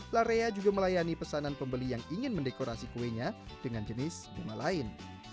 larea juga melayani pesanan pembeli yang ingin mendekorasi kuenya dengan jenis bunga lain